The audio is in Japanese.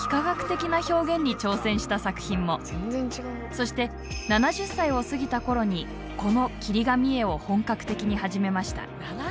そして７０歳を過ぎた頃にこの切り紙絵を本格的に始めました。